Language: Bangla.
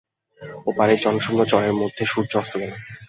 ও পারের জনশূন্য চরের মধ্যে সূর্য অস্ত গেল।